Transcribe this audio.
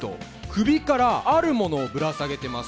首からあるものをぶら下げてます。